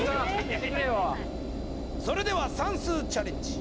それでは算数チャレンジ！